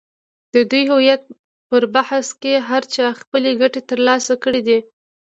د دې هویت پر بحث کې هر چا خپلې ګټې تر لاسه کړې دي.